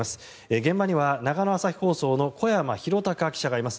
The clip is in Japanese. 現場には長野朝日放送の小山浩隆記者がいます。